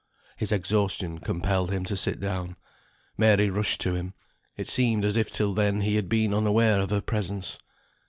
His exhaustion compelled him to sit down. Mary rushed to him. It seemed as if till then he had been unaware of her presence.